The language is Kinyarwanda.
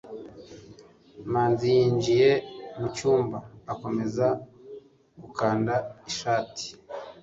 manzi yinjiye mu cyumba, akomeza gukanda ishati